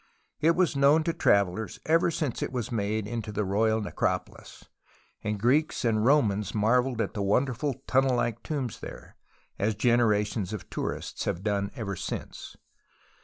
It was known to travellers ever since it was made into the royal necropolis, and Greeks and Romans marvelled at the wonderful tunnel like tombs there, as generations of tourists have done ever since.